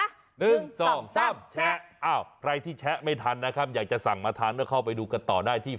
อ้าวใครที่แชะไม่ทันนะครับอยากจะสั่งมาทานก็เข้าไปดูกันต่อได้ที่